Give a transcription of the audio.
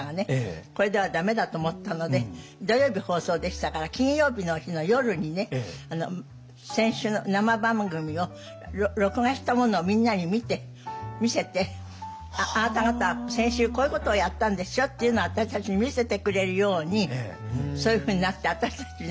これではダメだと思ったので土曜日放送でしたから金曜日の日の夜に先週の生番組を録画したものをみんなに見せて「あなた方は先週こういうことをやったんですよ」っていうのを私たちに見せてくれるようにそういうふうになって私たちね